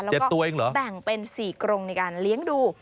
เจ็ดตัวเองเหรอแบ่งเป็นสี่กรงในการเลี้ยงดู